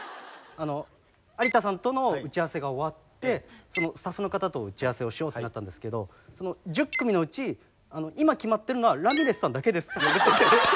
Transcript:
有田さんとの打ち合わせが終わってスタッフの方と打ち合わせをしようってなったんですけど１０組のうち今決まってるのはラミレスさんだけですって言われて。